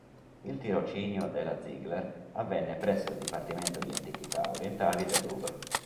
Il tirocinio della Ziegler avvenne presso il dipartimento di antichità orientali del Louvre.